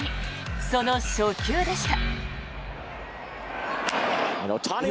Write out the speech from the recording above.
その初球でした。